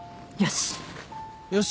よし